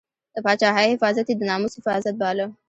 د پاچاهۍ حفاظت یې د ناموس حفاظت باله.